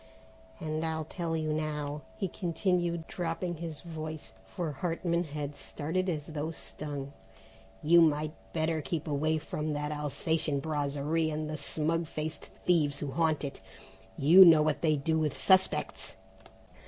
And I'll tell you now," he continued dropping his voice, for Hartman had started as though stung, "you might better keep away from that Alsatian Brasserie and the smug faced thieves who haunt it. You know what they do with suspects!"